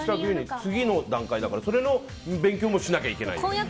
次の段階だからそれの勉強もしないといけないね。